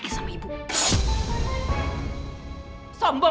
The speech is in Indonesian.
kasi zoomer kan